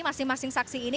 masing masing saksi ini